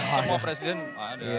semua presiden ada